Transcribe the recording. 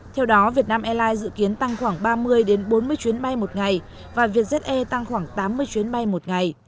theo đó việt nam airlines dự kiến tăng khoảng ba mươi bốn mươi chuyến bay một ngày và vietjet air tăng khoảng tám mươi chuyến bay một ngày